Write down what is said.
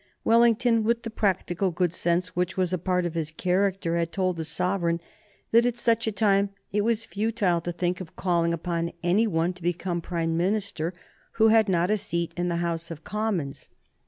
Wellington, with the practical good sense which was a part of his character, had told the sovereign that at such a time it was futile to think of calling upon any one to become Prime Minister who had not a seat in the House of Commons.